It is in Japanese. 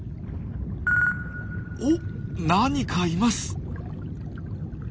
お何かいます！